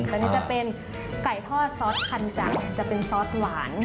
อันนี้จะเป็นไก่ทอดซอสพันจักรจะเป็นซอสหวาน